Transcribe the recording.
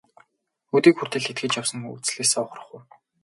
Өдий хүртэл итгэж явсан үзлээсээ ухрах уу?